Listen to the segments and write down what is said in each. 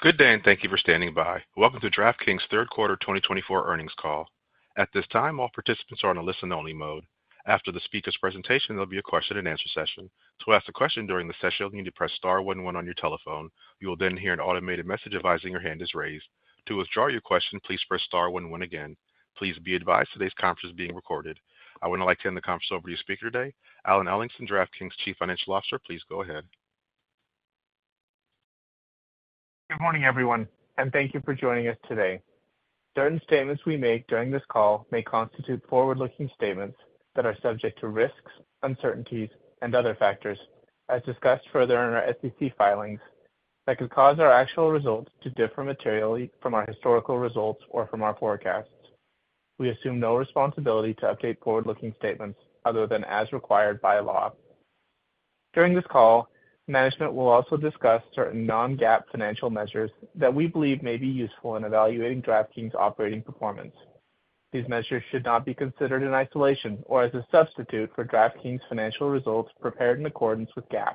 Good day, and thank you for standing by. Welcome to DraftKings' Q3 2024 earnings call. At this time, all participants are on a listen-only mode. After the speaker's presentation, there'll be a question-and-answer session. To ask a question during the session, you'll need to press star 11 on your telephone. You will then hear an automated message advising your hand is raised. To withdraw your question, please press star 11 again. Please be advised today's conference is being recorded. I would now like to hand the conference over to your speaker today, Alan Ellingson, DraftKings' Chief Financial Officer. Please go ahead. Good morning, everyone, and thank you for joining us today. Certain statements we make during this call may constitute forward-looking statements that are subject to risks, uncertainties, and other factors, as discussed further in our SEC filings, that could cause our actual results to differ materially from our historical results or from our forecasts. We assume no responsibility to update forward-looking statements other than as required by law. During this call, management will also discuss certain non-GAAP financial measures that we believe may be useful in evaluating DraftKings' operating performance. These measures should not be considered in isolation or as a substitute for DraftKings' financial results prepared in accordance with GAAP.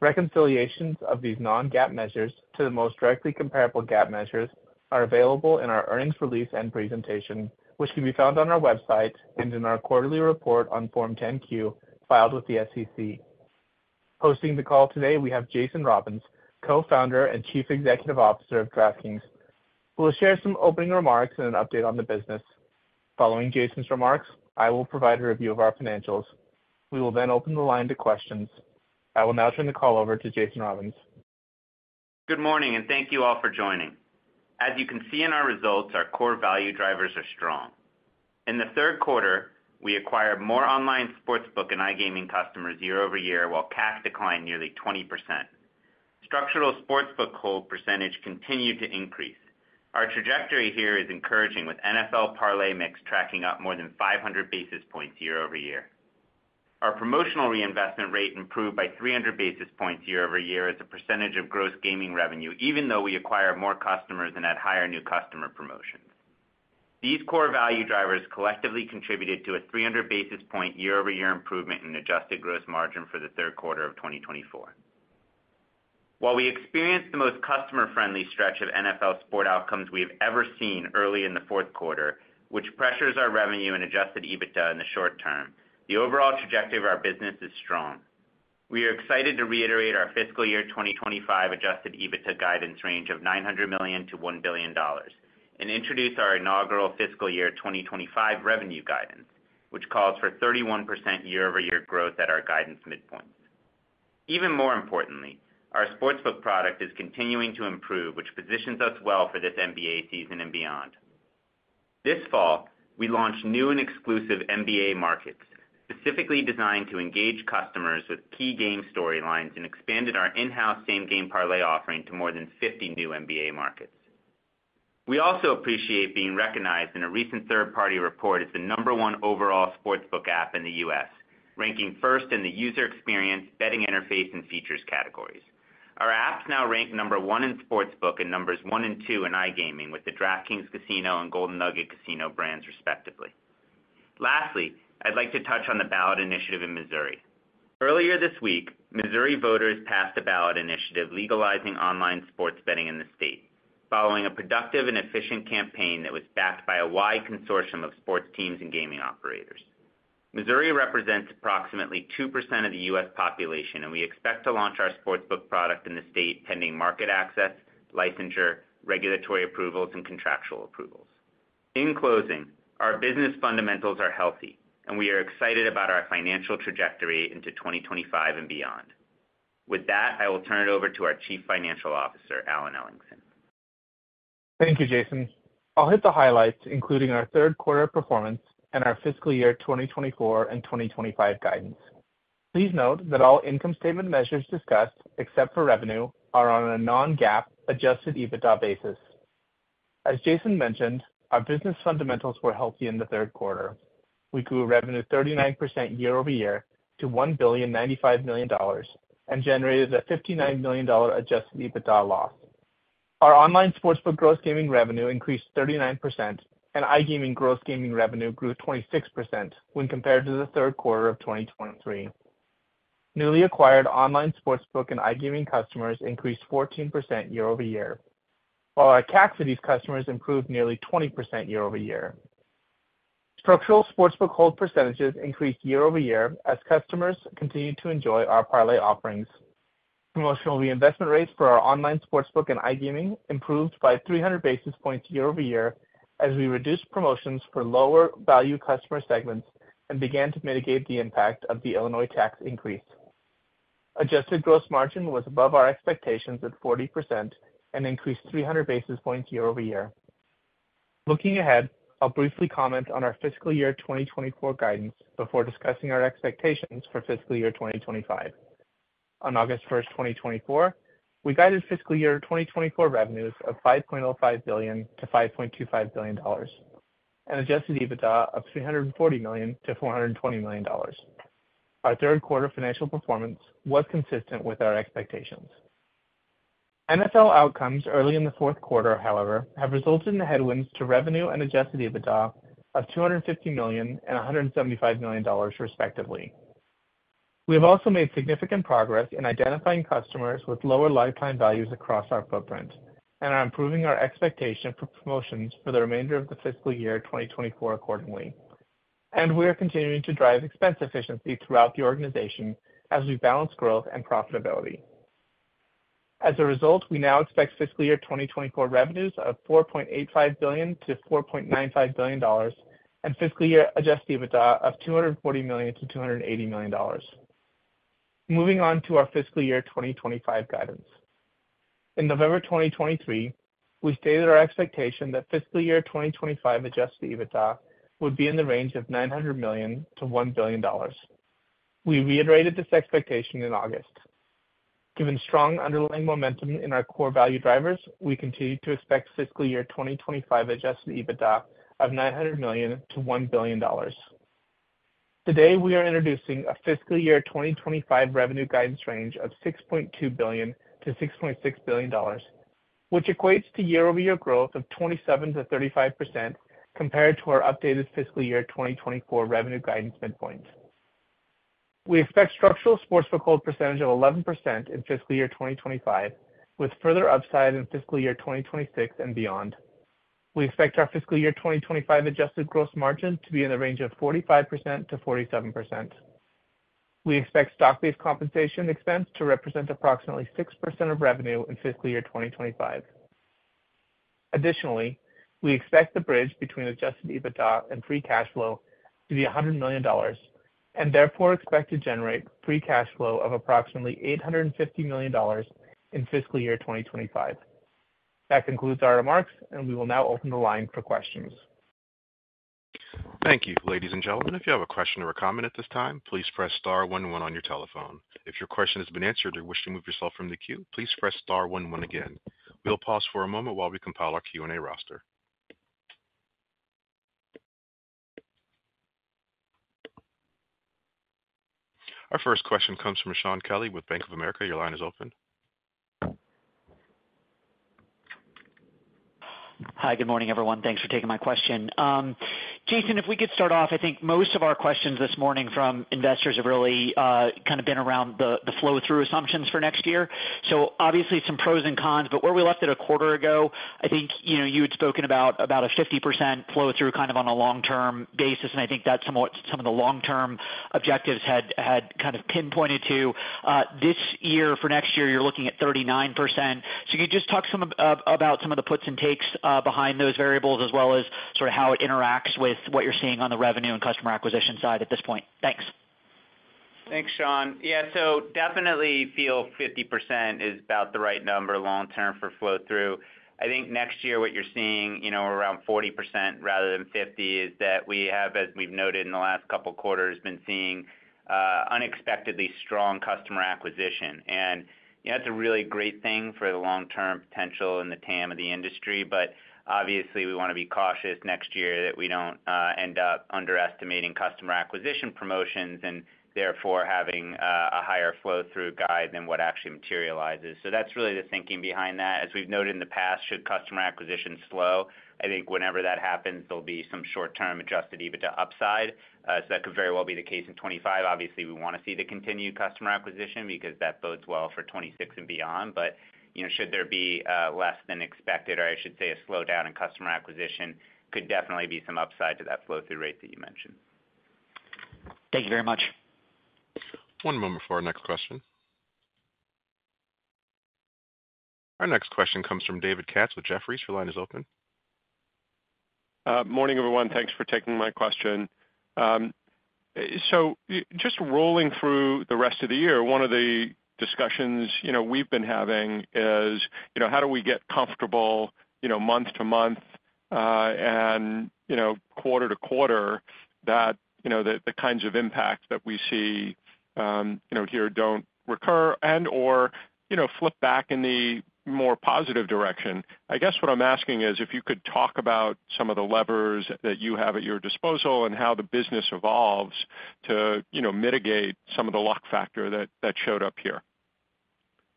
Reconciliations of these non-GAAP measures to the most directly comparable GAAP measures are available in our earnings release and presentation, which can be found on our website and in our quarterly report on Form 10-Q filed with the SEC. Hosting the call today, we have Jason Robins, Co-founder and Chief Executive Officer of DraftKings. We'll share some opening remarks and an update on the business. Following Jason's remarks, I will provide a review of our financials. We will then open the line to questions. I will now turn the call over to Jason Robins. Good morning, and thank you all for joining. As you can see in our results, our core value drivers are strong. In the Q3, we acquired more online sportsbook and iGaming customers year over year, while CAC declined nearly 20%. Structural sportsbook hold percentage continued to increase. Our trajectory here is encouraging, with NFL parlay mix tracking up more than 500 basis points year over year. Our promotional reinvestment rate improved by 300 basis points year over year as a percentage of gross gaming revenue, even though we acquired more customers and had higher new customer promotions. These core value drivers collectively contributed to a 300-basis-point year-over-year improvement in adjusted gross margin for the Q3 of 2024. While we experienced the most customer-friendly stretch of NFL sport outcomes we have ever seen early in the Q4, which pressures our revenue and Adjusted EBITDA in the short term, the overall trajectory of our business is strong. We are excited to reiterate our fiscal year 2025 Adjusted EBITDA guidance range of $900 million-$1 billion and introduce our inaugural fiscal year 2025 revenue guidance, which calls for 31% year-over-year growth at our guidance midpoint. Even more importantly, our sportsbook product is continuing to improve, which positions us well for this NBA season and beyond. This fall, we launched new and exclusive NBA markets, specifically designed to engage customers with key game storylines and expanded our in-house same-game parlay offering to more than 50 new NBA markets. We also appreciate being recognized in a recent third-party report as the number one overall sportsbook app in the U.S., ranking first in the user experience, betting interface, and features categories. Our apps now rank number one in sportsbook and number one and two in iGaming with the DraftKings Casino and Golden Nugget Casino brands, respectively. Lastly, I'd like to touch on the ballot initiative in Missouri. Earlier this week, Missouri voters passed a ballot initiative legalizing online sports betting in the state, following a productive and efficient campaign that was backed by a wide consortium of sports teams and gaming operators. Missouri represents approximately 2% of the U.S. population, and we expect to launch our sportsbook product in the state pending market access, licensure, regulatory approvals, and contractual approvals. In closing, our business fundamentals are healthy, and we are excited about our financial trajectory into 2025 and beyond. With that, I will turn it over to our Chief Financial Officer, Alan Ellingson. Thank you, Jason. I'll hit the highlights, including our Q3 performance and our fiscal year 2024 and 2025 guidance. Please note that all income statement measures discussed, except for revenue, are on a non-GAAP Adjusted EBITDA basis. As Jason mentioned, our business fundamentals were healthy in the Q3. We grew revenue 39% year over year to $1 billion and $95 million, and generated a $59 million Adjusted EBITDA loss. Our online sportsbook gross gaming revenue increased 39%, and iGaming gross gaming revenue grew 26% when compared to the Q3 of 2023. Newly acquired online sportsbook and iGaming customers increased 14% year over year, while our CAC for these customers improved nearly 20% year over year. Structural sportsbook hold percentages increased year over year as customers continued to enjoy our parlay offerings. Promotional reinvestment rates for our online sportsbook and iGaming improved by 300 basis points year over year as we reduced promotions for lower-value customer segments and began to mitigate the impact of the Illinois tax increase. Adjusted gross margin was above our expectations at 40% and increased 300 basis points year over year. Looking ahead, I'll briefly comment on our fiscal year 2024 guidance before discussing our expectations for fiscal year 2025. On August 1, 2024, we guided fiscal year 2024 revenues of $5.05 billion to $5.25 billion and adjusted EBITDA of $340 million-$420 million. Our Q3 financial performance was consistent with our expectations. NFL outcomes early in the Q4, however, have resulted in headwinds to revenue and adjusted EBITDA of $250 million and $175 million, respectively. We have also made significant progress in identifying customers with lower lifetime values across our footprint and are improving our expectation for promotions for the remainder of the fiscal year 2024 accordingly, and we are continuing to drive expense efficiency throughout the organization as we balance growth and profitability. As a result, we now expect fiscal year 2024 revenues of $4.85 billion-$4.95 billion and fiscal year adjusted EBITDA of $240 million-$280 million. Moving on to our fiscal year 2025 guidance. In November 2023, we stated our expectation that fiscal year 2025 adjusted EBITDA would be in the range of $900 million-$1 billion. We reiterated this expectation in August. Given strong underlying momentum in our core value drivers, we continue to expect fiscal year 2025 adjusted EBITDA of $900 million-$1 billion. Today, we are introducing a fiscal year 2025 revenue guidance range of $6.2 billion-$6.6 billion, which equates to year-over-year growth of 27%-35% compared to our updated fiscal year 2024 revenue guidance midpoint. We expect structural sportsbook hold percentage of 11% in fiscal year 2025, with further upside in fiscal year 2026 and beyond. We expect our fiscal year 2025 adjusted gross margin to be in the range of 45%-47%. We expect stock-based compensation expense to represent approximately 6% of revenue in fiscal year 2025. Additionally, we expect the bridge between adjusted EBITDA and free cash flow to be $100 million, and therefore expect to generate free cash flow of approximately $850 million in fiscal year 2025. That concludes our remarks, and we will now open the line for questions. Thank you. Ladies and gentlemen, if you have a question or a comment at this time, please press star 11 on your telephone. If your question has been answered or you wish to move yourself from the queue, please press star 11 again. We'll pause for a moment while we compile our Q&A roster. Our first question comes from Shaun Kelley with Bank of America. Your line is open. Hi, good morning, everyone. Thanks for taking my question. Jason, if we could start off, I think most of our questions this morning from investors have really kind of been around the flow-through assumptions for next year. So obviously, some pros and cons, but where we left it a quarter ago, I think you had spoken about a 50% flow-through kind of on a long-term basis, and I think that's somewhat of the long-term objectives had kind of pinpointed to. This year for next year, you're looking at 39%. So could you just talk about some of the puts and takes behind those variables, as well as sort of how it interacts with what you're seeing on the revenue and customer acquisition side at this point? Thanks. Thanks, Shaun. Yeah, so I definitely feel 50% is about the right number long-term for flow-through. I think next year, what you're seeing around 40% rather than 50% is that we have, as we've noted in the last couple of quarters, been seeing unexpectedly strong customer acquisition. And that's a really great thing for the long-term potential and the TAM of the industry, but obviously, we want to be cautious next year that we don't end up underestimating customer acquisition promotions and therefore having a higher flow-through guide than what actually materializes. So that's really the thinking behind that. As we've noted in the past, should customer acquisition slow, I think whenever that happens, there'll be some short-term adjusted EBITDA upside. So that could very well be the case in 2025. Obviously, we want to see the continued customer acquisition because that bodes well for 2026 and beyond. But, should there be less than expected, or, I should say, a slowdown in customer acquisition, could definitely be some upside to that flow-through rate that you mentioned. Thank you very much. One moment for our next question. Our next question comes from David Katz with Jefferies. Your line is open. Morning, everyone. Thanks for taking my question. So just rolling through the rest of the year, one of the discussions we've been having is, how do we get comfortable month to month and quarter to quarter that the kinds of impact that we see here don't recur and/or flip back in the more positive direction? I guess what I'm asking is if you could talk about some of the levers that you have at your disposal and how the business evolves to mitigate some of the luck factor that showed up here.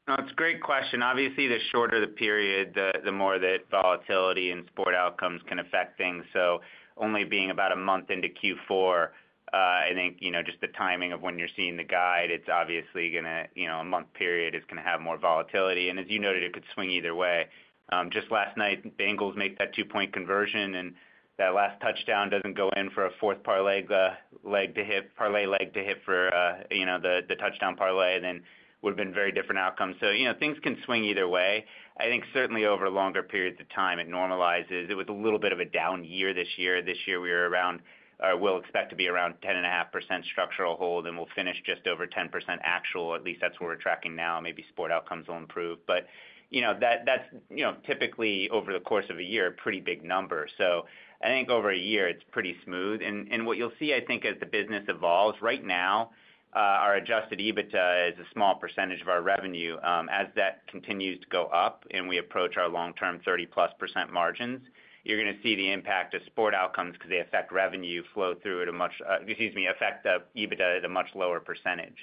That's a great question. Obviously, the shorter the period, the more that volatility and sport outcomes can affect things. So only being about a month into Q4, I think just the timing of when you're seeing the guide, it's obviously going to a month period is going to have more volatility. And as you noted, it could swing either way. Just last night, Bengals make that two-point conversion, and that last touchdown doesn't go in for a fourth parlay leg to hit for the touchdown parlay, then would have been very different outcomes. So things can swing either way. I think certainly over longer periods of time, it normalizes. It was a little bit of a down year this year. This year, we are around or we'll expect to be around 10.5% structural hold, and we'll finish just over 10% actual. At least that's what we're tracking now. Maybe sports outcomes will improve. But that's typically, over the course of a year, a pretty big number. So I think over a year, it's pretty smooth. And what you'll see, I think, as the business evolves, right now, our Adjusted EBITDA is a small percentage of our revenue. As that continues to go up and we approach our long-term 30-plus% margins, you're going to see the impact of sports outcomes because they affect revenue flow-through at a much excuse me, affect the EBITDA at a much lower percentage.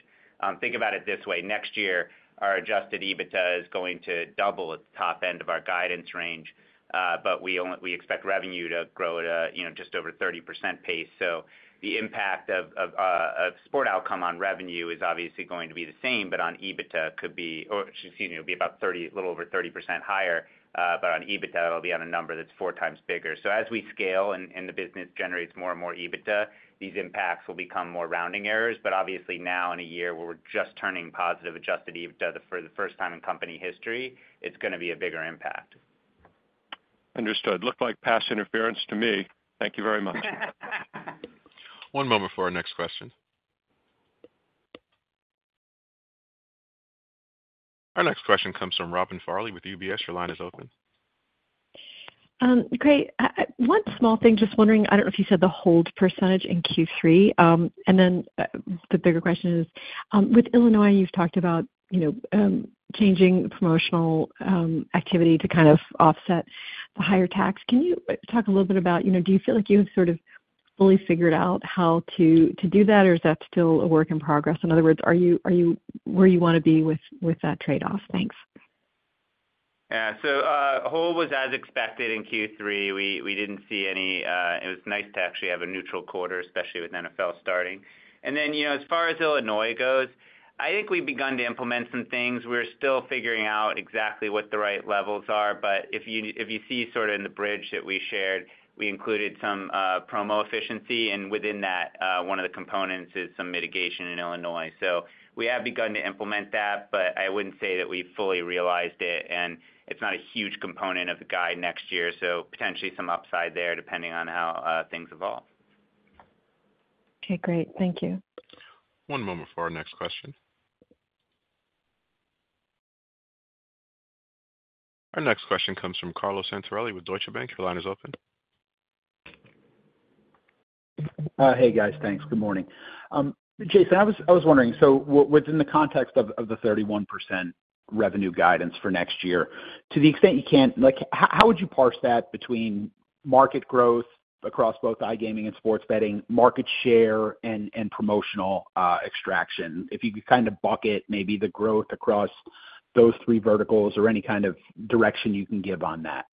Think about it this way. Next year, our Adjusted EBITDA is going to double at the top end of our guidance range, but we expect revenue to grow at a just over 30% pace. So the impact of sport outcome on revenue is obviously going to be the same, but on EBITDA could be or excuse me, it'll be about a little over 30% higher, but on EBITDA, it'll be on a number that's four times bigger. So as we scale and the business generates more and more EBITDA, these impacts will become more rounding errors. But obviously, now in a year where we're just turning positive adjusted EBITDA for the first time in company history, it's going to be a bigger impact. Understood. Looked like past interference to me. Thank you very much. One moment for our next question. Our next question comes from Robin Farley with UBS. Your line is open. Great. One small thing, just wondering, I don't know if you said the hold percentage in Q3. And then the bigger question is, with Illinois, you've talked about changing promotional activity to kind of offset the higher tax. Can you talk a little bit about, do you feel like you have sort of fully figured out how to do that, or is that still a work in progress? In other words, where you want to be with that trade-off? Thanks. Yeah. So hold was as expected in Q3. We didn't see any. It was nice to actually have a neutral quarter, especially with NFL starting. And then as far as Illinois goes, I think we've begun to implement some things. We're still figuring out exactly what the right levels are, but if you see sort of in the bridge that we shared, we included some promo efficiency, and within that, one of the components is some mitigation in Illinois. So we have begun to implement that, but I wouldn't say that we fully realized it, and it's not a huge component of the guide next year, so potentially some upside there depending on how things evolve. Okay. Great. Thank you. One moment for our next question. Our next question comes from Carlos Santarelli with Deutsche Bank. Your line is open. Hey, guys. Thanks. Good morning. Jason, I was wondering, so within the context of the 31% revenue guidance for next year, to the extent you can, how would you parse that between market growth across both iGaming and sports betting, market share, and promotional extraction? If you could kind of bucket maybe the growth across those three verticals or any kind of direction you can give on that.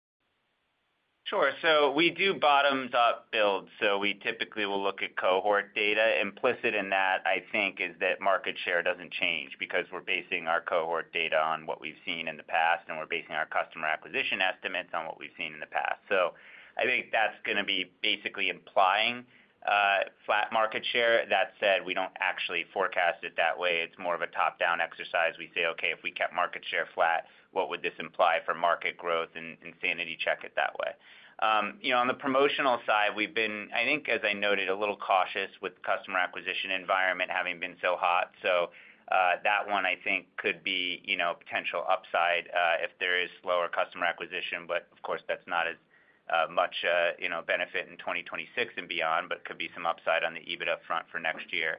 Sure. So we do bottoms-up builds. So we typically will look at cohort data. Implicit in that, I think, is that market share doesn't change because we're basing our cohort data on what we've seen in the past, and we're basing our customer acquisition estimates on what we've seen in the past. So I think that's going to be basically implying flat market share. That said, we don't actually forecast it that way. It's more of a top-down exercise. We say, "Okay, if we kept market share flat, what would this imply for market growth?" and sanity check it that way. On the promotional side, we've been, I think, as I noted, a little cautious with the customer acquisition environment having been so hot. So that one, I think, could be a potential upside if there is lower customer acquisition, but of course, that's not as much a benefit in 2026 and beyond, but it could be some upside on the EBITDA front for next year.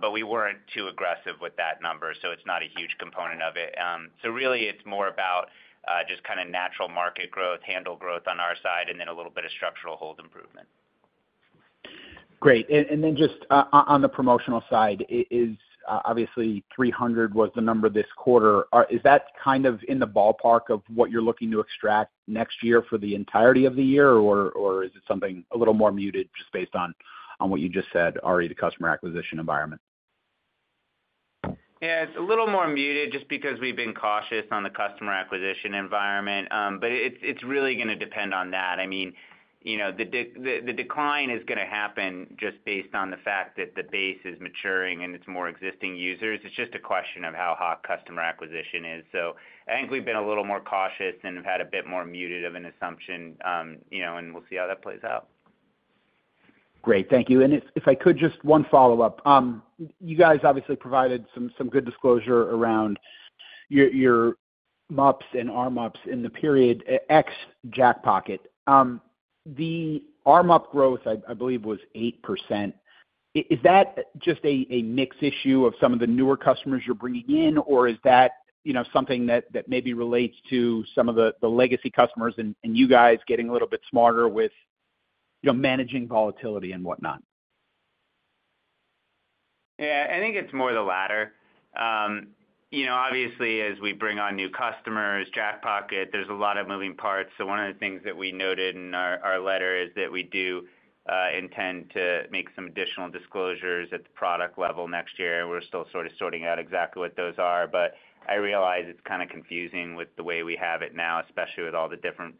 But we weren't too aggressive with that number, so it's not a huge component of it. So really, it's more about just kind of natural market growth, handle growth on our side, and then a little bit of structural hold improvement. Great. And then just on the promotional side, obviously, 300 was the number this quarter. Is that kind of in the ballpark of what you're looking to extract next year for the entirety of the year, or is it something a little more muted just based on what you just said, already the customer acquisition environment? Yeah. It's a little more muted just because we've been cautious on the customer acquisition environment, but it's really going to depend on that. I mean, the decline is going to happen just based on the fact that the base is maturing and it's more existing users. It's just a question of how hot customer acquisition is. So I think we've been a little more cautious and have had a bit more muted of an assumption, and we'll see how that plays out. Great. Thank you. And if I could, just one follow-up. You guys obviously provided some good disclosure around your MUPs and RMUPs in the period ex Jackpocket. The RMUP growth, I believe, was 8%. Is that just a mix issue of some of the newer customers you're bringing in, or is that something that maybe relates to some of the legacy customers and you guys getting a little bit smarter with managing volatility and whatnot? Yeah. I think it's more the latter. Obviously, as we bring on new customers, Jackpocket, there's a lot of moving parts. So one of the things that we noted in our letter is that we do intend to make some additional disclosures at the product level next year. We're still sort of sorting out exactly what those are, but I realize it's kind of confusing with the way we have it now, especially with all the different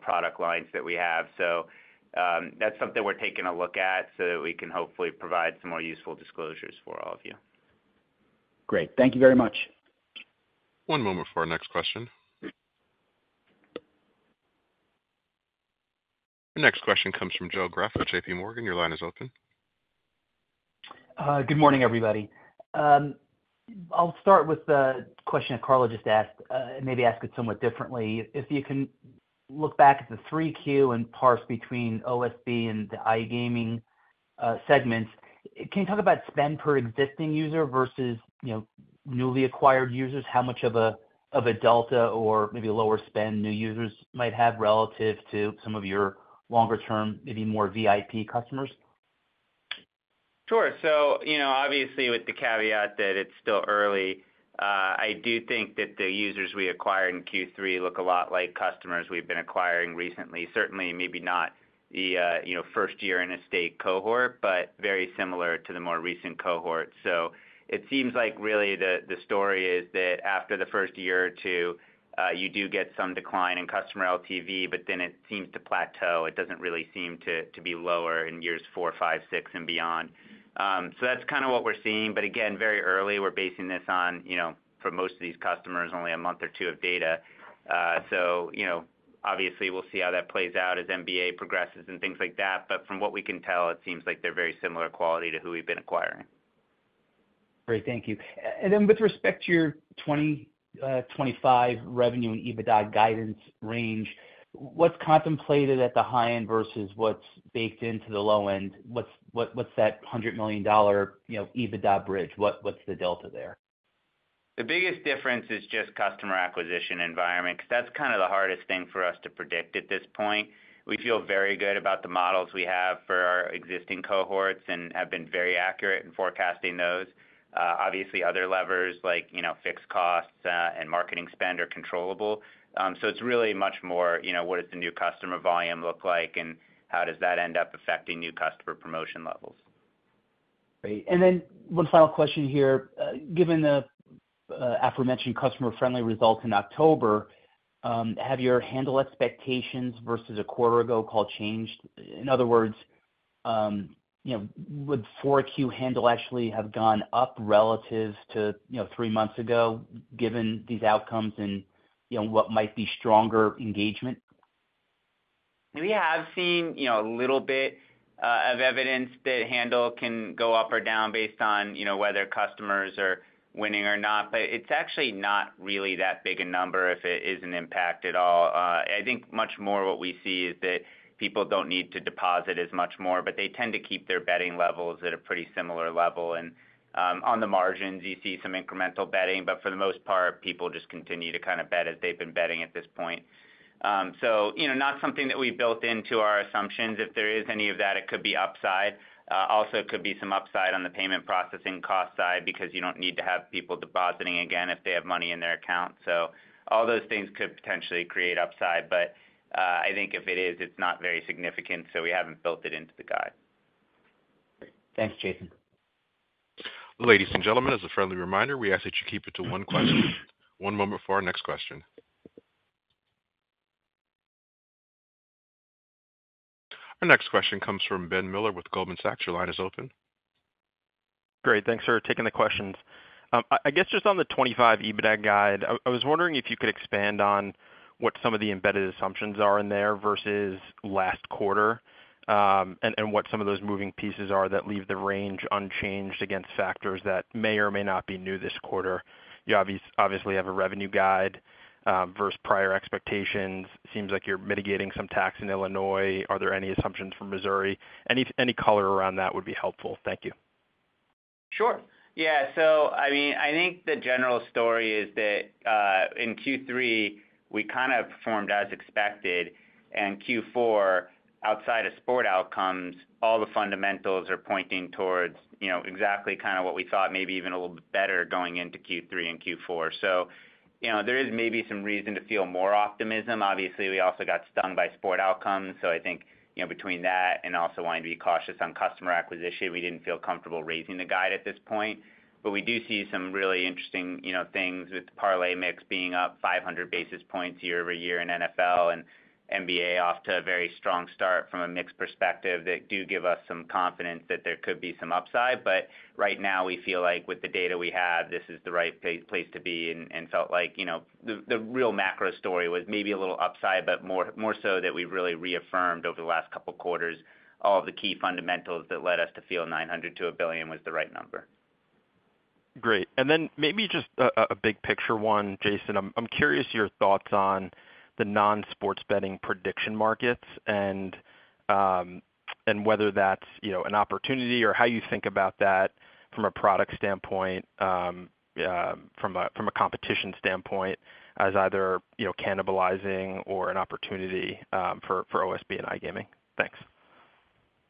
product lines that we have. So that's something we're taking a look at so that we can hopefully provide some more useful disclosures for all of you. Great. Thank you very much. One moment for our next question. Our next question comes from Joe Greff with JPMorgan. Your line is open. Good morning, everybody. I'll start with the question that Carla just asked and maybe ask it somewhat differently. If you can look back at the Q3 and parse between OSB and the iGaming segments, can you talk about spend per existing user versus newly acquired users? How much of a delta or maybe lower spend new users might have relative to some of your longer-term, maybe more VIP customers? Sure. So obviously, with the caveat that it's still early, I do think that the users we acquired in Q3 look a lot like customers we've been acquiring recently. Certainly, maybe not the first-year-in-state cohort, but very similar to the more recent cohort. So it seems like really the story is that after the first year or two, you do get some decline in customer LTV, but then it seems to plateau. It doesn't really seem to be lower in years four, five, six, and beyond. So that's kind of what we're seeing. But again, very early, we're basing this on, for most of these customers, only a month or two of data. So obviously, we'll see how that plays out as NBA progresses and things like that. But from what we can tell, it seems like they're very similar quality to who we've been acquiring. Great. Thank you. And then with respect to your 2025 revenue and EBITDA guidance range, what's contemplated at the high end versus what's baked into the low end? What's that $100 million EBITDA bridge? What's the delta there? The biggest difference is just customer acquisition environment because that's kind of the hardest thing for us to predict at this point. We feel very good about the models we have for our existing cohorts and have been very accurate in forecasting those. Obviously, other levers like fixed costs and marketing spend are controllable. So it's really much more what does the new customer volume look like and how does that end up affecting new customer promotion levels? Great. And then one final question here. Given the aforementioned customer-friendly results in October, have your handle expectations versus a quarter-ago call changed? In other words, would 4Q handle actually have gone up relative to three months ago given these outcomes and what might be stronger engagement? We have seen a little bit of evidence that handle can go up or down based on whether customers are winning or not, but it's actually not really that big a number if it is an impact at all. I think much more what we see is that people don't need to deposit as much more, but they tend to keep their betting levels at a pretty similar level, and on the margins, you see some incremental betting, but for the most part, people just continue to kind of bet as they've been betting at this point, so not something that we built into our assumptions. If there is any of that, it could be upside. Also, it could be some upside on the payment processing cost side because you don't need to have people depositing again if they have money in their account. So all those things could potentially create upside, but I think if it is, it's not very significant, so we haven't built it into the guide. Thanks, Jason. Ladies and gentlemen, as a friendly reminder, we ask that you keep it to one question. One moment for our next question. Our next question comes from Ben Miller with Goldman Sachs. Your line is open. Great. Thanks for taking the questions. I guess just on the '25 EBITDA guide, I was wondering if you could expand on what some of the embedded assumptions are in there versus last quarter and what some of those moving pieces are that leave the range unchanged against factors that may or may not be new this quarter. You obviously have a revenue guide versus prior expectations. It seems like you're mitigating some tax in Illinois. Are there any assumptions for Missouri? Any color around that would be helpful. Thank you. Sure. Yeah. So I mean, I think the general story is that in Q3, we kind of performed as expected, and Q4, outside of sport outcomes, all the fundamentals are pointing towards exactly kind of what we thought, maybe even a little bit better going into Q3 and Q4. So there is maybe some reason to feel more optimism. Obviously, we also got stung by sport outcomes, so I think between that and also wanting to be cautious on customer acquisition, we didn't feel comfortable raising the guide at this point. But we do see some really interesting things with Parlay mix being up 500 basis points year over year in NFL and NBA off to a very strong start from a mixed perspective that do give us some confidence that there could be some upside. But right now, we feel like with the data we have, this is the right place to be and felt like the real macro story was maybe a little upside, but more so that we really reaffirmed over the last couple of quarters all of the key fundamentals that led us to feel $900 million-$1 billion was the right number. Great. And then maybe just a big picture one, Jason. I'm curious your thoughts on the non-sports betting prediction markets and whether that's an opportunity or how you think about that from a product standpoint, from a competition standpoint, as either cannibalizing or an opportunity for OSB and iGaming? Thanks.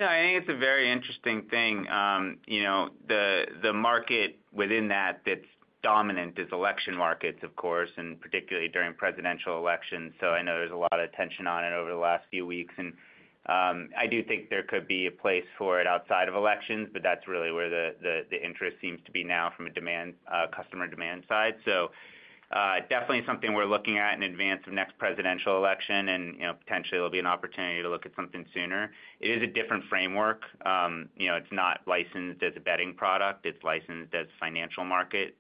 Yeah. I think it's a very interesting thing. The market within that that's dominant is election markets, of course, and particularly during presidential elections. So I know there's a lot of tension on it over the last few weeks, and I do think there could be a place for it outside of elections, but that's really where the interest seems to be now from a customer demand side. So definitely something we're looking at in advance of next presidential election, and potentially there'll be an opportunity to look at something sooner. It is a different framework. It's not licensed as a betting product. It's licensed as a financial market.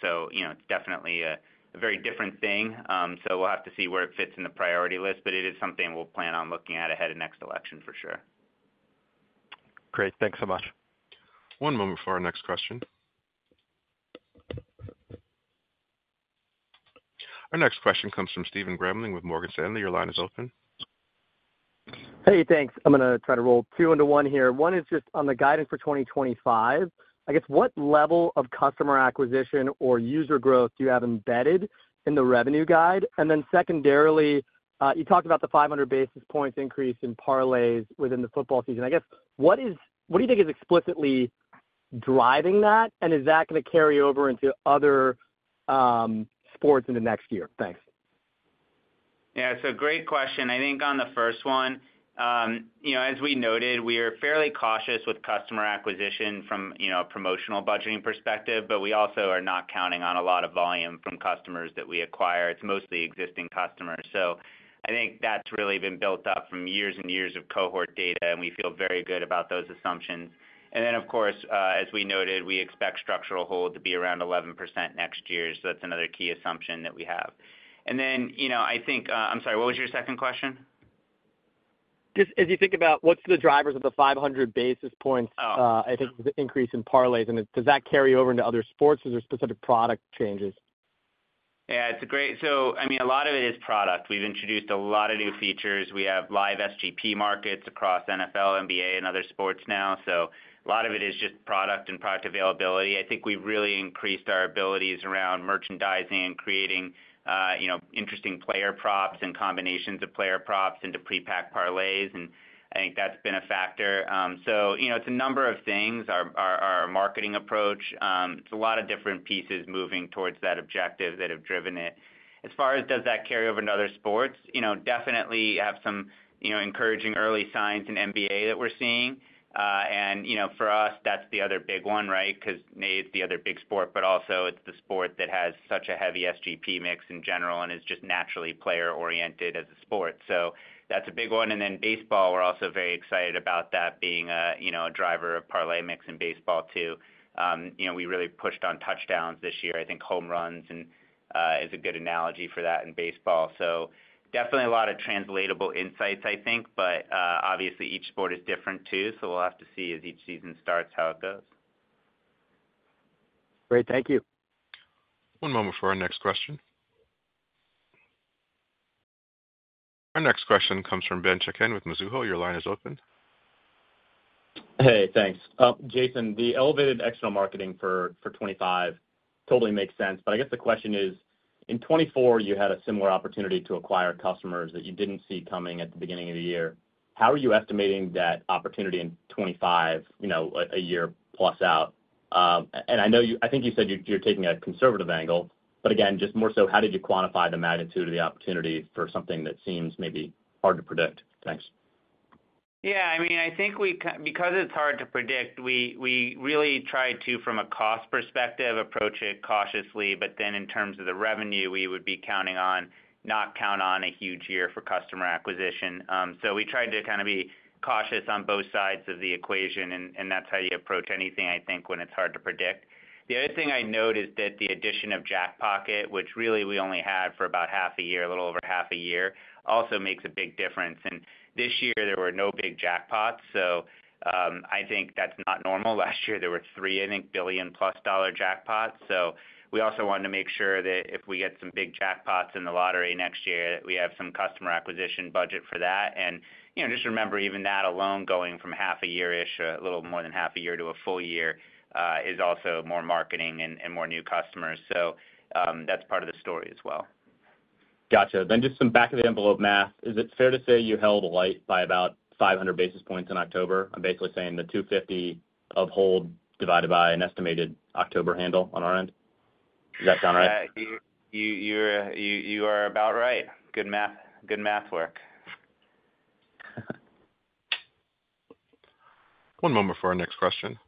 So it's definitely a very different thing. So we'll have to see where it fits in the priority list, but it is something we'll plan on looking at ahead of next election for sure. Great. Thanks so much. One moment for our next question. Our next question comes from Stephen Grambling with Morgan Stanley. Your line is open. Hey, thanks. I'm going to try to roll two into one here. One is just on the guidance for 2025. I guess what level of customer acquisition or user growth do you have embedded in the revenue guide? And then secondarily, you talked about the 500 basis points increase in Parlays within the football season. I guess what do you think is explicitly driving that, and is that going to carry over into other sports into next year? Thanks. Yeah. So great question. I think on the first one, as we noted, we are fairly cautious with customer acquisition from a promotional budgeting perspective, but we also are not counting on a lot of volume from customers that we acquire. It's mostly existing customers. So I think that's really been built up from years and years of cohort data, and we feel very good about those assumptions. And then, of course, as we noted, we expect structural hold to be around 11% next year. So that's another key assumption that we have. And then I think I'm sorry, what was your second question? Just as you think about what's the drivers of the 500 basis points, I think the increase in parlays, and does that carry over into other sports? Is there specific product changes? Yeah. So I mean, a lot of it is product. We've introduced a lot of new features. We have live SGP markets across NFL, NBA, and other sports now. So a lot of it is just product and product availability. I think we've really increased our abilities around merchandising and creating interesting player props and combinations of player props into prepacked parlays, and I think that's been a factor. So it's a number of things. Our marketing approach, it's a lot of different pieces moving towards that objective that have driven it. As far as does that carry over into other sports, definitely have some encouraging early signs in NBA that we're seeing. And for us, that's the other big one, right? Because it's the other big sport, but also it's the sport that has such a heavy SGP mix in general and is just naturally player-oriented as a sport. That's a big one. Baseball, we're also very excited about that being a driver of parlay mix in baseball too. We really pushed on touchdowns this year. I think home runs is a good analogy for that in baseball. Definitely a lot of translatable insights, I think, but obviously each sport is different too, so we'll have to see as each season starts how it goes. Great. Thank you. One moment for our next question. Our next question comes from Ben Chaiken with Mizuho. Your line is open. Hey, thanks. Jason, the elevated external marketing for 2025 totally makes sense, but I guess the question is, in 2024, you had a similar opportunity to acquire customers that you didn't see coming at the beginning of the year. How are you estimating that opportunity in 2025, a year plus out? And I think you said you're taking a conservative angle, but again, just more so, how did you quantify the magnitude of the opportunity for something that seems maybe hard to predict? Thanks. Yeah. I mean, I think because it's hard to predict, we really try to, from a cost perspective, approach it cautiously, but then in terms of the revenue, we would be counting on, not a huge year for customer acquisition. So we tried to kind of be cautious on both sides of the equation, and that's how you approach anything, I think, when it's hard to predict. The other thing I noticed is that the addition of Jackpocket, which really we only had for about half a year, a little over half a year, also makes a big difference. And this year, there were no big jackpots, so I think that's not normal. Last year, there were three, I think, billion-plus-dollar jackpots. So we also wanted to make sure that if we get some big jackpots in the lottery next year, that we have some customer acquisition budget for that. And just remember, even that alone, going from half a year-ish, a little more than half a year to a full year, is also more marketing and more new customers. So that's part of the story as well. Gotcha. Then just some back-of-the-envelope math. Is it fair to say you held light by about 500 basis points in October? I'm basically saying the 250 of hold divided by an estimated October handle on our end. Does that sound right? You are about right. Good math work. One moment for our next question.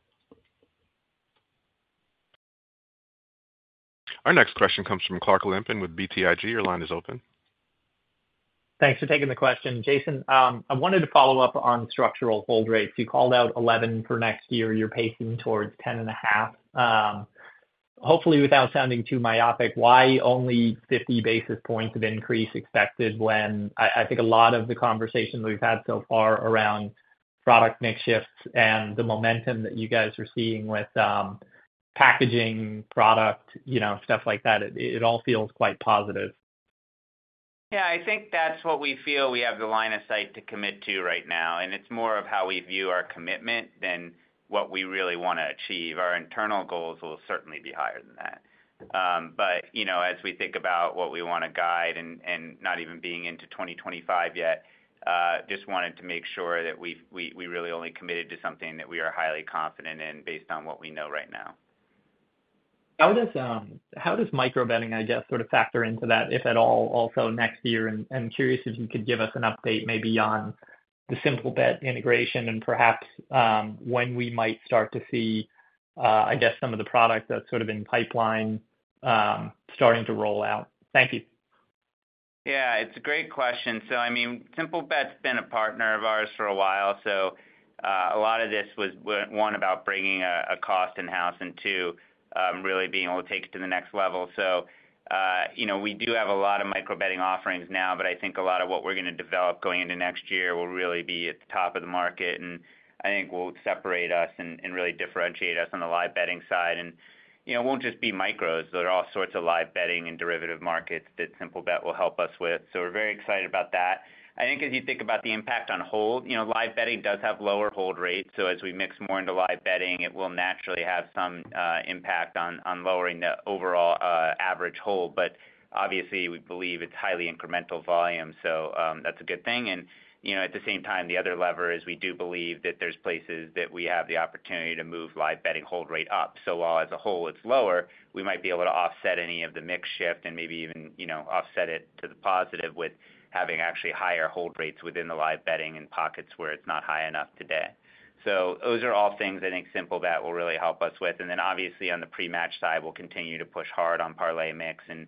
Our next question comes from Clark Lampen with BTIG. Your line is open. Thanks for taking the question. Jason, I wanted to follow up on structural hold rates. You called out 11 for next year. You're pacing towards 10.5. Hopefully, without sounding too myopic, why only 50 basis points of increase expected when I think a lot of the conversation we've had so far around product mix shifts and the momentum that you guys are seeing with packaged product, stuff like that, it all feels quite positive. Yeah. I think that's what we feel we have the line of sight to commit to right now, and it's more of how we view our commitment than what we really want to achieve. Our internal goals will certainly be higher than that. But as we think about what we want to guide and not even being into 2025 yet, just wanted to make sure that we really only committed to something that we are highly confident in based on what we know right now. How does micro-betting, I guess, sort of factor into that, if at all, also next year? And curious if you could give us an update maybe on the Simplebet integration and perhaps when we might start to see, I guess, some of the products that's sort of in pipeline starting to roll out. Thank you. Yeah. It's a great question. So I mean, Simplebet's been a partner of ours for a while. So a lot of this was, one, about bringing a cost in-house and, two, really being able to take it to the next level. So we do have a lot of micro-betting offerings now, but I think a lot of what we're going to develop going into next year will really be at the top of the market, and I think will separate us and really differentiate us on the live betting side. And it won't just be micros. There are all sorts of live betting and derivative markets that Simplebet will help us with. So we're very excited about that. I think as you think about the impact on hold, live betting does have lower hold rates. So as we mix more into live betting, it will naturally have some impact on lowering the overall average hold. But obviously, we believe it's highly incremental volume, so that's a good thing. And at the same time, the other lever is we do believe that there's places that we have the opportunity to move live betting hold rate up. So while as a whole, it's lower, we might be able to offset any of the mix shift and maybe even offset it to the positive with having actually higher hold rates within the live betting and pockets where it's not high enough today. So those are all things I think Simplebet will really help us with. And then obviously, on the pre-match side, we'll continue to push hard on Parlay mix. I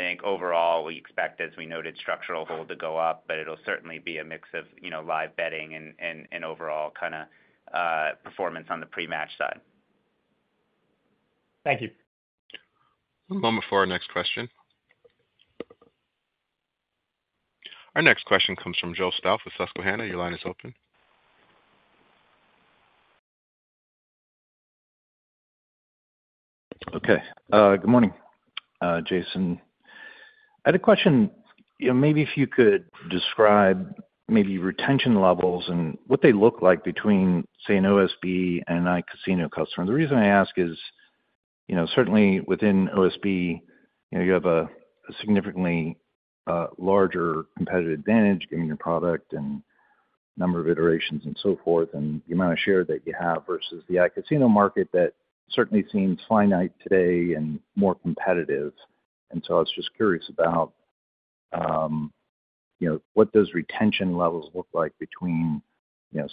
think overall, we expect, as we noted, structural hold to go up, but it'll certainly be a mix of live betting and overall kind of performance on the pre-match side. Thank you. One moment for our next question. Our next question comes from Joe Stauff with Susquehanna. Your line is open. Okay. Good morning, Jason. I had a question. Maybe if you could describe maybe retention levels and what they look like between, say, an OSB and an online casino customer. The reason I ask is certainly within OSB, you have a significantly larger competitive advantage given your product and number of iterations and so forth and the amount of share that you have versus the online casino market that certainly seems finite today and more competitive. And so I was just curious about what does retention levels look like between,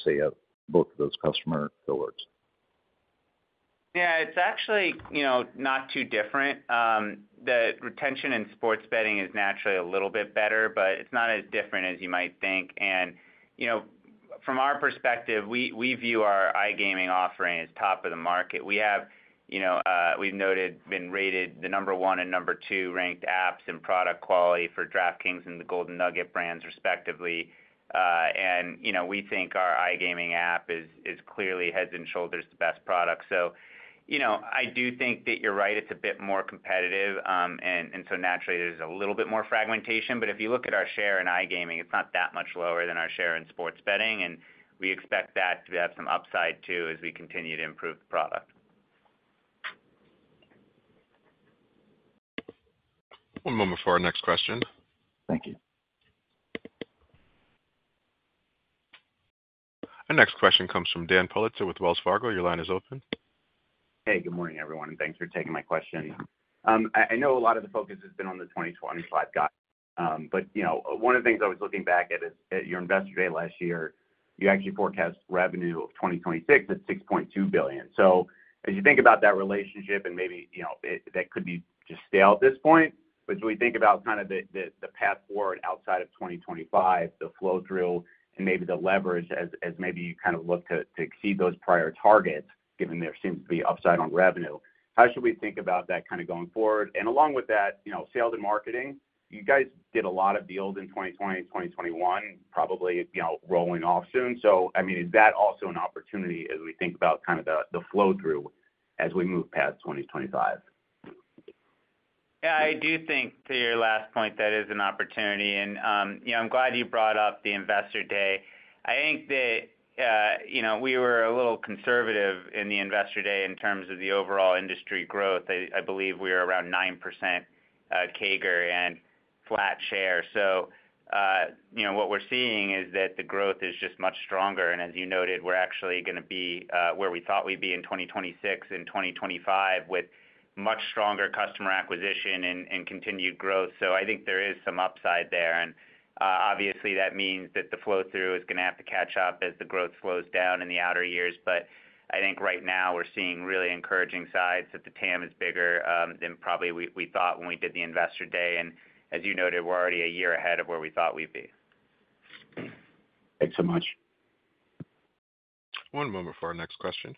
say, both of those customer cohorts? Yeah. It's actually not too different. The retention in sports betting is naturally a little bit better, but it's not as different as you might think. And from our perspective, we view our iGaming offering as top of the market. We have been rated the number one and number two ranked apps in product quality for DraftKings and the Golden Nugget brands, respectively. And we think our iGaming app is clearly head and shoulders the best product. So I do think that you're right. It's a bit more competitive, and so naturally, there's a little bit more fragmentation. But if you look at our share in iGaming, it's not that much lower than our share in sports betting, and we expect that to have some upside too as we continue to improve the product. One moment for our next question. Thank you. Our next question comes from Dan Politzer with Wells Fargo. Your line is open. Hey, good morning, everyone, and thanks for taking my question. I know a lot of the focus has been on the 2024 side of things, but one of the things I was looking back at is, at your investor day last year, you actually forecast revenue for 2026 at $6.2 billion. So as you think about that relationship, and maybe that could be just stale at this point, but as we think about kind of the path forward outside of 2025, the flow through and maybe the leverage as maybe you kind of look to exceed those prior targets, given there seems to be upside on revenue, how should we think about that kind of going forward? And along with that, sales and marketing, you guys did a lot of deals in 2020, 2021, probably rolling off soon. So I mean, is that also an opportunity as we think about kind of the flow through as we move past 2025? Yeah. I do think to your last point, that is an opportunity. And I'm glad you brought up the investor day. I think that we were a little conservative in the investor day in terms of the overall industry growth. I believe we were around 9% CAGR and flat share. So what we're seeing is that the growth is just much stronger. And as you noted, we're actually going to be where we thought we'd be in 2026 and 2025 with much stronger customer acquisition and continued growth. So I think there is some upside there. And obviously, that means that the flow-through is going to have to catch up as the growth slows down in the outer years. But I think right now, we're seeing really encouraging signs that the TAM is bigger than probably we thought when we did the investor day. As you noted, we're already a year ahead of where we thought we'd be. Thanks so much. One moment for our next question.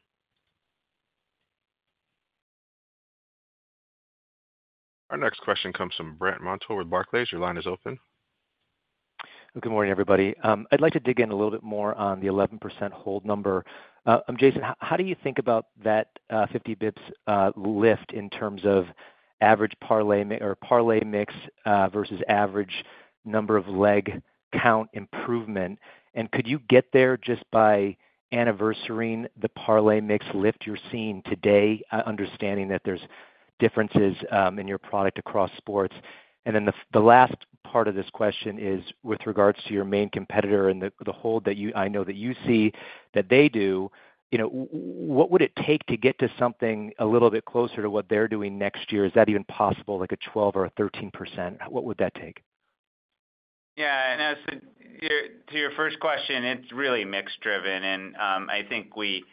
Our next question comes from Brandt Montour with Barclays. Your line is open. Good morning, everybody. I'd like to dig in a little bit more on the 11% hold number. Jason, how do you think about that 50 basis points lift in terms of average Parlay mix versus average number of leg count improvement? And could you get there just by anniversarying the Parlay mix lift you're seeing today, understanding that there's differences in your product across sports? And then the last part of this question is with regards to your main competitor and the hold that I know that you see that they do, what would it take to get to something a little bit closer to what they're doing next year? Is that even possible, like a 12% or 13%? What would that take? Yeah, and to your first question, it's really mixed-driven. And I think we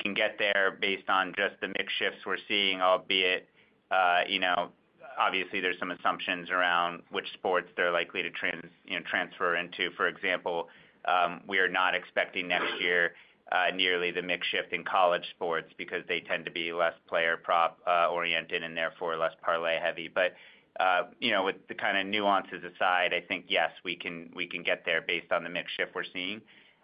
can get there based on just the mix shifts we're seeing, albeit, obviously, there's some assumptions around which sports they're likely to transfer into. For example, we are not expecting next year nearly the mix shift in college sports because they tend to be less player-prop oriented and therefore less parlay heavy, but with the kind of nuances aside, I think, yes, we can get there based on the mix shift we're seeing,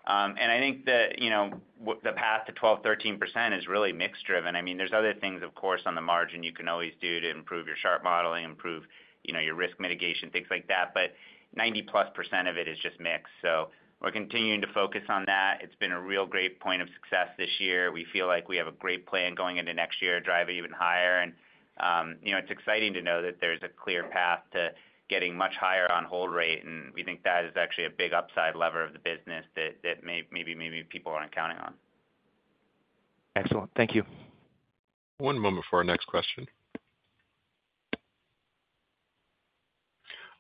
and I think the path to 12%-13% is really mixed-driven. I mean, there's other things, of course, on the margin you can always do to improve your sharp modeling, improve your risk mitigation, things like that, but 90-plus% of it is just mix, so we're continuing to focus on that. It's been a real great point of success this year. We feel like we have a great plan going into next year to drive it even higher, and it's exciting to know that there's a clear path to getting much higher on hold rate, and we think that is actually a big upside lever of the business that maybe people aren't counting on. Excellent. Thank you. One moment for our next question.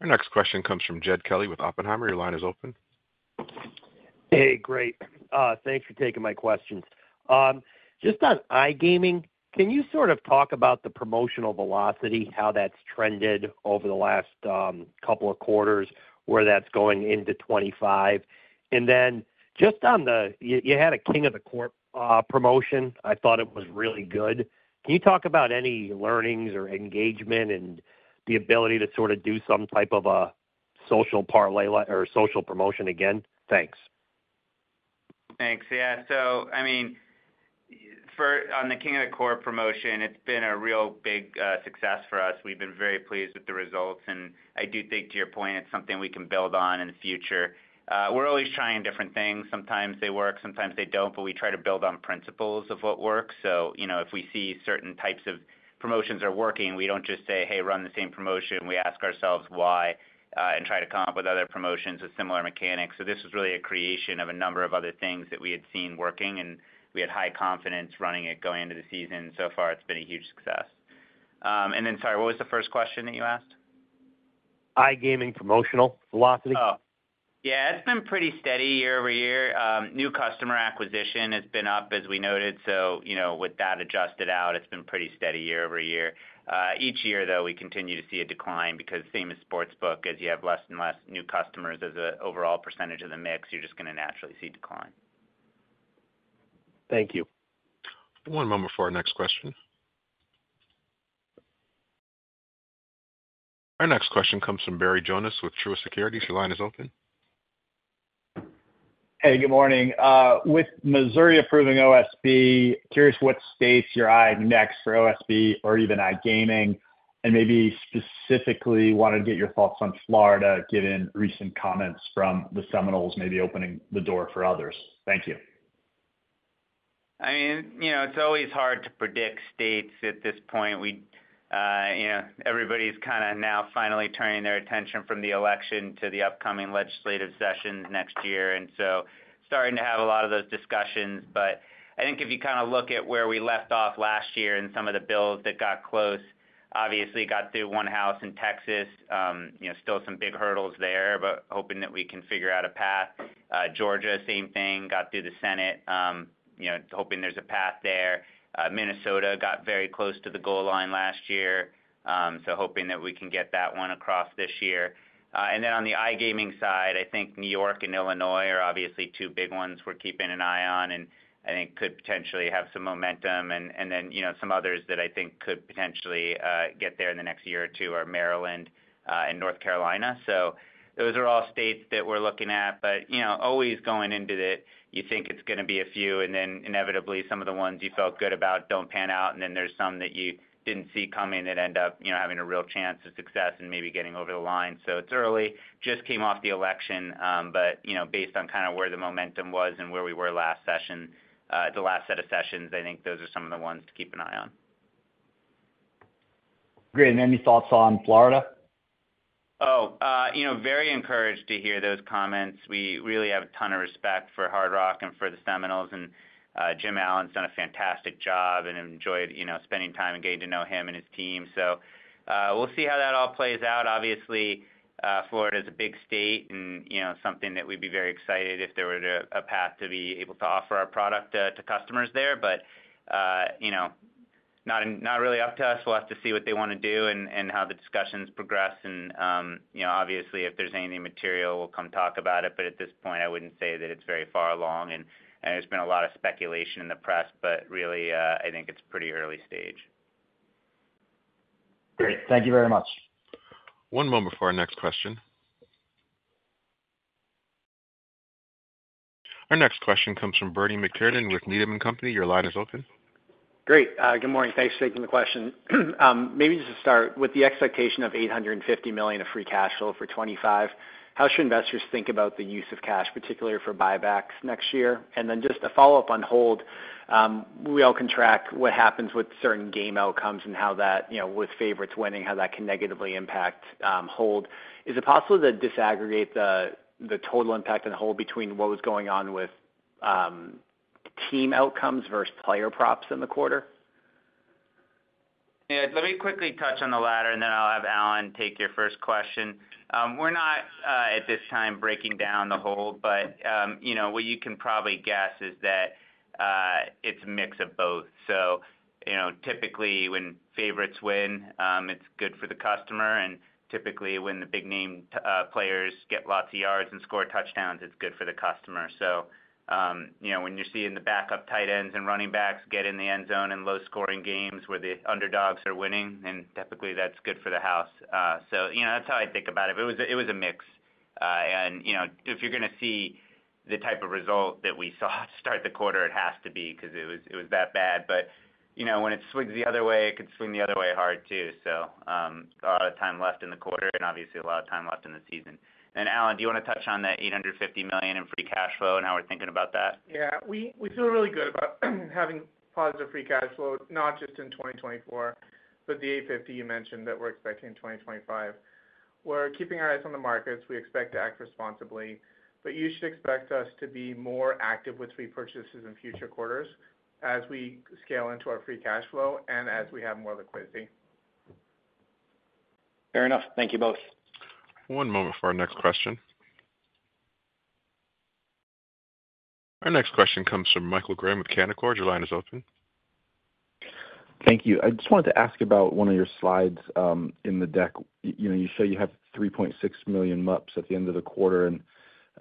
Our next question comes from Jed Kelly with Oppenheimer. Your line is open. Hey, great. Thanks for taking my questions. Just on iGaming, can you sort of talk about the promotional velocity, how that's trended over the last couple of quarters, where that's going into 2025? And then just on the you had a King of the Court promotion. I thought it was really good. Can you talk about any learnings or engagement and the ability to sort of do some type of a social parlay or social promotion again? Thanks. Thanks. Yeah. So I mean, on the King of the Court promotion, it's been a real big success for us. We've been very pleased with the results. And I do think, to your point, it's something we can build on in the future. We're always trying different things. Sometimes they work, sometimes they don't, but we try to build on principles of what works. So if we see certain types of promotions are working, we don't just say, "Hey, run the same promotion." We ask ourselves why and try to come up with other promotions with similar mechanics. So this was really a creation of a number of other things that we had seen working, and we had high confidence running it going into the season. So far, it's been a huge success. And then, sorry, what was the first question that you asked? iGaming promotional velocity? Yeah. It's been pretty steady year over year. New customer acquisition has been up, as we noted. So with that adjusted out, it's been pretty steady year over year. Each year, though, we continue to see a decline because same as sportsbook, as you have less and less new customers as an overall percentage of the mix, you're just going to naturally see decline. Thank you. One moment for our next question. Our next question comes from Barry Jonas with Truist Securities. Your line is open. Hey, good morning. With Missouri approving OSB, curious what states your eye next for OSB or even iGaming, and maybe specifically wanted to get your thoughts on Florida given recent comments from the Seminoles, maybe opening the door for others? Thank you. I mean, it's always hard to predict states at this point. Everybody's kind of now finally turning their attention from the election to the upcoming legislative sessions next year, and so starting to have a lot of those discussions, but I think if you kind of look at where we left off last year and some of the bills that got close, obviously got through one house in Texas, still some big hurdles there, but hoping that we can figure out a path. Georgia, same thing, got through the Senate, hoping there's a path there. Minnesota got very close to the goal line last year, so hoping that we can get that one across this year, and then on the iGaming side, I think New York and Illinois are obviously two big ones we're keeping an eye on and I think could potentially have some momentum. And then some others that I think could potentially get there in the next year or two are Maryland and North Carolina. So those are all states that we're looking at, but always going into it, you think it's going to be a few, and then inevitably, some of the ones you felt good about don't pan out, and then there's some that you didn't see coming that end up having a real chance of success and maybe getting over the line. So it's early. Just came off the election, but based on kind of where the momentum was and where we were last session, the last set of sessions, I think those are some of the ones to keep an eye on. Great. And any thoughts on Florida? Oh, very encouraged to hear those comments. We really have a ton of respect for Hard Rock and for the Seminoles, and Jim Allen's done a fantastic job and enjoyed spending time and getting to know him and his team. So we'll see how that all plays out. Obviously, Florida is a big state and something that we'd be very excited if there were a path to be able to offer our product to customers there, but not really up to us. We'll have to see what they want to do and how the discussions progress. And obviously, if there's anything material, we'll come talk about it. But at this point, I wouldn't say that it's very far along, and there's been a lot of speculation in the press, but really, I think it's pretty early stage. Great. Thank you very much. One moment for our next question. Our next question comes from Bernie McTernan with Needham & Company. Your line is open. Great. Good morning. Thanks for taking the question. Maybe just to start, with the expectation of $850 million of free cash flow for 2025, how should investors think about the use of cash, particularly for buybacks next year? And then just a follow-up on hold, we all can track what happens with certain game outcomes and how that, with favorites winning, how that can negatively impact hold. Is it possible to disaggregate the total impact on hold between what was going on with team outcomes versus player props in the quarter? Yeah. Let me quickly touch on the latter, and then I'll have Alan take your first question. We're not at this time breaking down the hold, but what you can probably guess is that it's a mix of both, so typically, when favorites win, it's good for the customer, and typically, when the big-name players get lots of yards and score touchdowns, it's good for the customer, so when you're seeing the backup tight ends and running backs get in the end zone in low-scoring games where the underdogs are winning, then typically that's good for the house. So that's how I think about it. It was a mix, and if you're going to see the type of result that we saw at the start of the quarter, it has to be because it was that bad. But when it swings the other way, it could swing the other way hard too. So a lot of time left in the quarter and obviously a lot of time left in the season. And Alan, do you want to touch on that $850 million in Free Cash Flow and how we're thinking about that? Yeah. We feel really good about having positive free cash flow, not just in 2024, but the 850 you mentioned that we're expecting in 2025. We're keeping our eyes on the markets. We expect to act responsibly, but you should expect us to be more active with repurchases in future quarters as we scale into our free cash flow and as we have more liquidity. Fair enough. Thank you both. One moment for our next question. Our next question comes from Michael Graham with Canaccord. Your line is open. Thank you. I just wanted to ask about one of your slides in the deck. You show you have 3.6 million MUPs at the end of the quarter and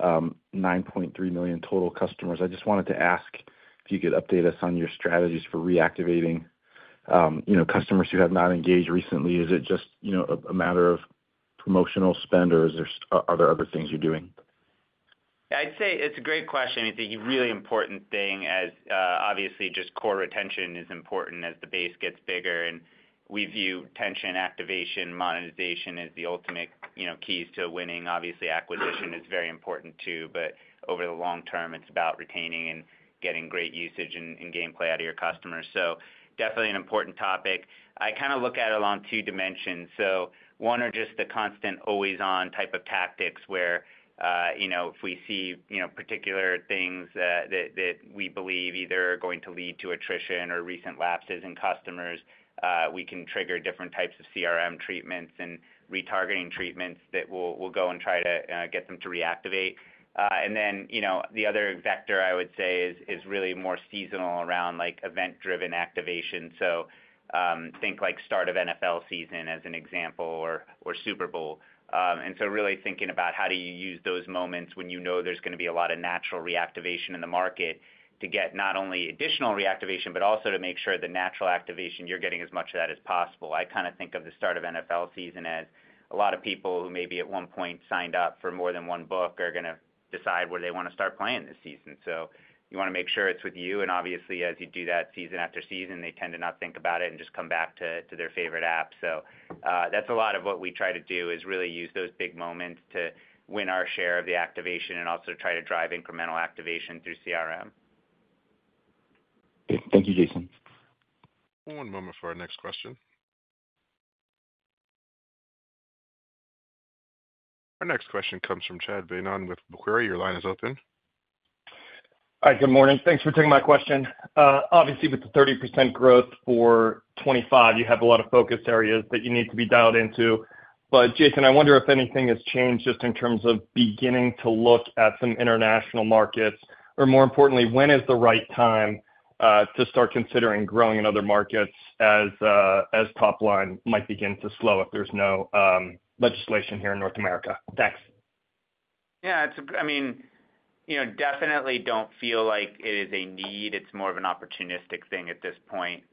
9.3 million total customers. I just wanted to ask if you could update us on your strategies for reactivating customers who have not engaged recently. Is it just a matter of promotional spend, or are there other things you're doing? I'd say it's a great question. I mean, I think a really important thing, obviously, just core retention is important as the base gets bigger, and we view retention, activation, monetization as the ultimate keys to winning. Obviously, acquisition is very important too, but over the long term, it's about retaining and getting great usage and gameplay out of your customers, so definitely an important topic. I kind of look at it along two dimensions, so one are just the constant always-on type of tactics where if we see particular things that we believe either are going to lead to attrition or recent lapses in customers, we can trigger different types of CRM treatments and retargeting treatments that we'll go and try to get them to reactivate, and then the other vector, I would say, is really more seasonal around event-driven activation. So, think start of NFL season as an example or Super Bowl. And so, really thinking about how do you use those moments when you know there's going to be a lot of natural reactivation in the market to get not only additional reactivation, but also to make sure the natural activation you're getting as much of that as possible. I kind of think of the start of NFL season as a lot of people who maybe at one point signed up for more than one book are going to decide where they want to start playing this season. So you want to make sure it's with you. And obviously, as you do that season after season, they tend to not think about it and just come back to their favorite app. So that's a lot of what we try to do is really use those big moments to win our share of the activation and also try to drive incremental activation through CRM. Thank you, Jason. One moment for our next question. Our next question comes from Chad Beynon with Macquarie. Your line is open. Hi, good morning. Thanks for taking my question. Obviously, with the 30% growth for 2025, you have a lot of focus areas that you need to be dialed into. But Jason, I wonder if anything has changed just in terms of beginning to look at some international markets, or more importantly, when is the right time to start considering growing in other markets as top line might begin to slow if there's no legislation here in North America? Thanks. Yeah. I mean, definitely don't feel like it is a need. It's more of an opportunistic thing at this point,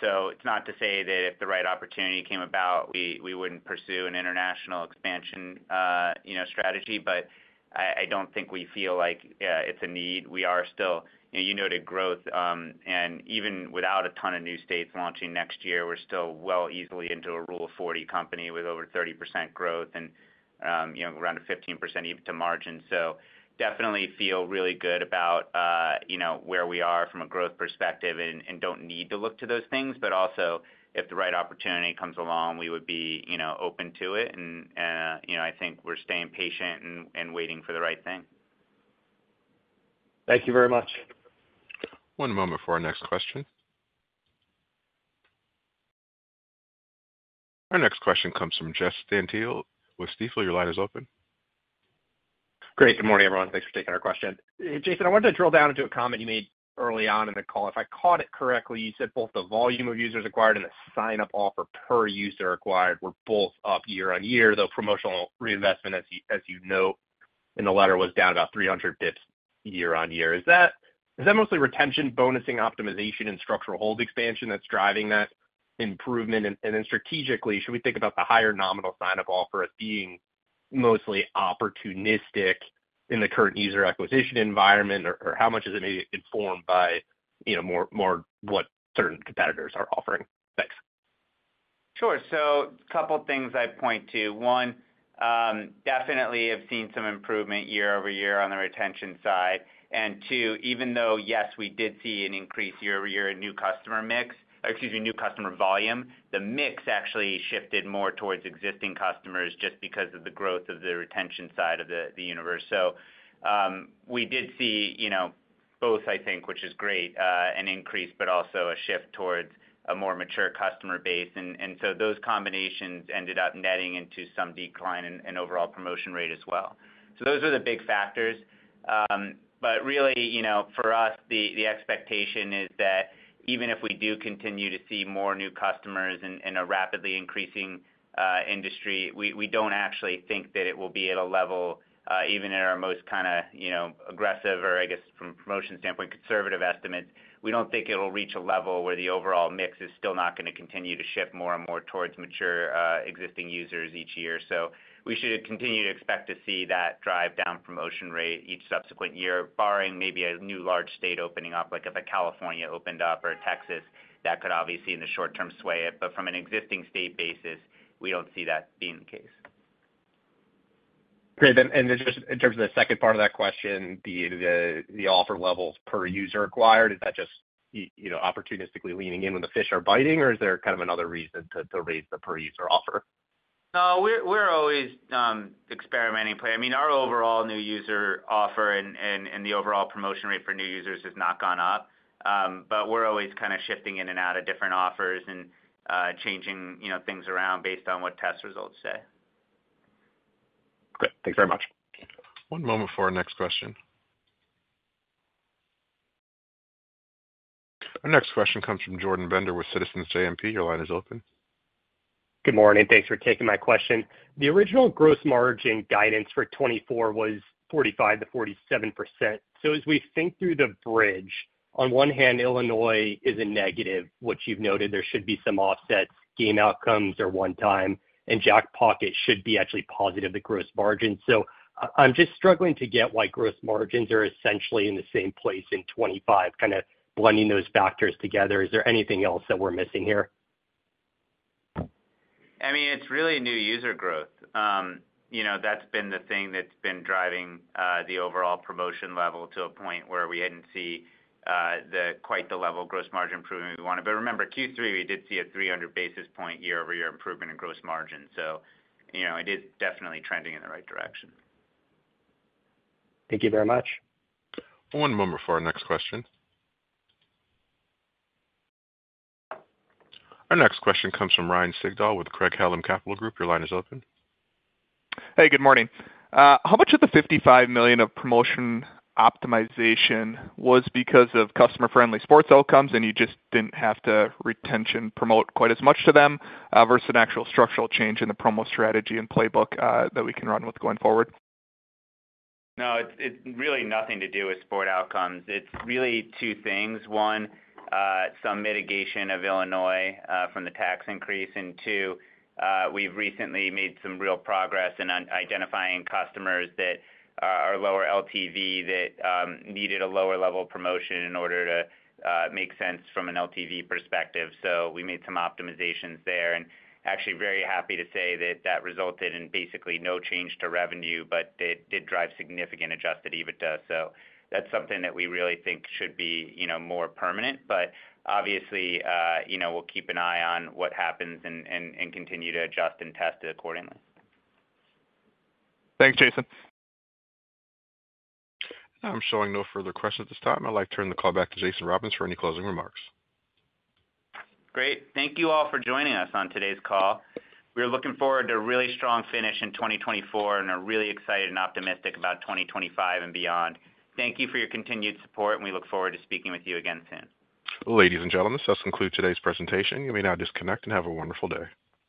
so it's not to say that if the right opportunity came about, we wouldn't pursue an international expansion strategy, but I don't think we feel like it's a need. We are still, you noted, growth and even without a ton of new states launching next year, we're still well easily into a Rule of 40 company with over 30% growth and around a 15% EBITDA margin, so definitely feel really good about where we are from a growth perspective and don't need to look to those things, but also, if the right opportunity comes along, we would be open to it, and I think we're staying patient and waiting for the right thing. Thank you very much. One moment for our next question. Our next question comes from Jeffrey Stantial with Stifel. Your line is open. Great. Good morning, everyone. Thanks for taking our question. Jason, I wanted to drill down into a comment you made early on in the call. If I caught it correctly, you said both the volume of users acquired and the sign-up offer per user acquired were both up year on year, though promotional reinvestment, as you note in the letter, was down about 300 basis points year on year. Is that mostly retention, bonusing, optimization, and structural hold expansion that's driving that improvement? And then strategically, should we think about the higher nominal sign-up offer as being mostly opportunistic in the current user acquisition environment, or how much is it maybe informed by more what certain competitors are offering? Thanks. Sure, so a couple of things I'd point to. One, definitely have seen some improvement year over year on the retention side, and two, even though, yes, we did see an increase year over year in new customer mix or excuse me, new customer volume, the mix actually shifted more towards existing customers just because of the growth of the retention side of the universe, so we did see both, I think, which is great, an increase, but also a shift towards a more mature customer base, and so those combinations ended up netting into some decline in overall promotion rate as well, so those are the big factors. But really, for us, the expectation is that even if we do continue to see more new customers in a rapidly increasing industry, we don't actually think that it will be at a level, even in our most kind of aggressive or, I guess, from a promotion standpoint, conservative estimates. We don't think it'll reach a level where the overall mix is still not going to continue to shift more and more towards mature existing users each year. So we should continue to expect to see that drive down promotion rate each subsequent year, barring maybe a new large state opening up, like if a California opened up or a Texas, that could obviously, in the short term, sway it. But from an existing state basis, we don't see that being the case. Great. And then just in terms of the second part of that question, the offer levels per user acquired, is that just opportunistically leaning in when the fish are biting, or is there kind of another reason to raise the per user offer? No, we're always experimenting. I mean, our overall new user offer and the overall promotion rate for new users has not gone up, but we're always kind of shifting in and out of different offers and changing things around based on what test results say. Great. Thanks very much. One moment for our next question. Our next question comes from Jordan Bender with Citizens JMP. Your line is open. Good morning. Thanks for taking my question. The original gross margin guidance for 2024 was 45%-47%. So as we think through the bridge, on one hand, Illinois is a negative, which you've noted. There should be some offsets. Game outcomes are one time, and Jackpocket should be actually positive, the gross margin. So I'm just struggling to get why gross margins are essentially in the same place in 2025, kind of blending those factors together. Is there anything else that we're missing here? I mean, it's really new user growth. That's been the thing that's been driving the overall promotion level to a point where we hadn't seen quite the level gross margin improvement we wanted. But remember, Q3, we did see a 300 basis points year-over-year improvement in gross margin. So it is definitely trending in the right direction. Thank you very much. One moment for our next question. Our next question comes from Ryan Sigdahl with Craig-Hallum Capital Group. Your line is open. Hey, good morning. How much of the $55 million of promotion optimization was because of customer-friendly sports outcomes, and you just didn't have to retention promote quite as much to them versus an actual structural change in the promo strategy and playbook that we can run with going forward? No, it's really nothing to do with sport outcomes. It's really two things. One, some mitigation of Illinois from the tax increase. And two, we've recently made some real progress in identifying customers that are lower LTV that needed a lower level of promotion in order to make sense from an LTV perspective. So we made some optimizations there. And actually, very happy to say that that resulted in basically no change to revenue, but it did drive significant Adjusted EBITDA. So that's something that we really think should be more permanent. But obviously, we'll keep an eye on what happens and continue to adjust and test it accordingly. Thanks, Jason. I'm showing no further questions at this time. I'd like to turn the call back to Jason Robins for any closing remarks. Great. Thank you all for joining us on today's call. We are looking forward to a really strong finish in 2024 and are really excited and optimistic about 2025 and beyond. Thank you for your continued support, and we look forward to speaking with you again soon. Ladies and gentlemen, this does conclude today's presentation. You may now disconnect and have a wonderful day.